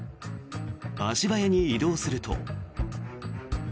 足早に移動すると。